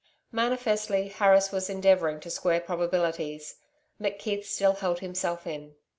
Manifestly, Harris was endeavouring to square probabilities. McKeith still held himself in.